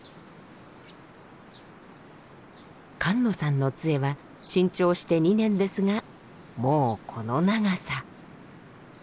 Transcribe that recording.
菅野さんの杖は新調して２年ですがもうこの長さ。